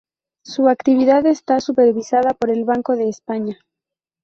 Su actividad está supervisada por el Banco de España.